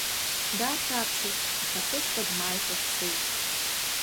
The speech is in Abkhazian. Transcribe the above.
Даахьаԥшит, аха сышҟа дмааикәа дцеит.